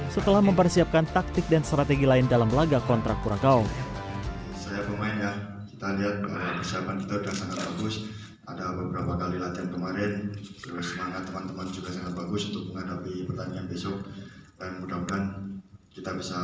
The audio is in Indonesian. dan mudah mudahan kita bisa memberikan yang terbaik untuk pertandingan besok